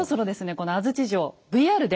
この安土城ＶＲで。